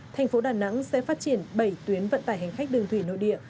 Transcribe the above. thành phố đà nẵng sẽ phát triển bảy tuyến vận tải hành khách đường thủy nội địa